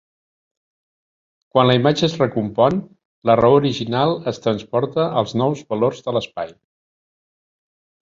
Quan la imatge es recompon, la raó original es transporta als nous valors de l'espai.